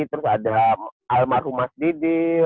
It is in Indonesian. terus ada almarhum mas didi